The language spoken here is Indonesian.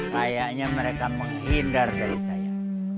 kayaknya mereka menghindar dari saya